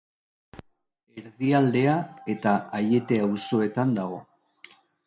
Erdialdea eta Aiete auzoetan dago.